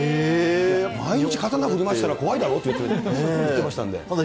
毎日、刀振り回してたら怖いだろって言ってましたんで。